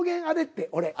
あれって俺。